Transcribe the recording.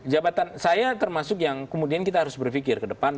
jabatan saya termasuk yang kemudian kita harus berpikir ke depan